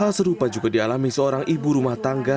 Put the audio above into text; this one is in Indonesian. hal serupa juga dialami seorang ibu rumah tangga